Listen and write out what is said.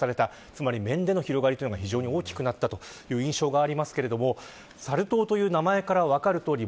つまり面での広がりが非常に大きくなったという印象がありますがサル痘という名前から分かるとおり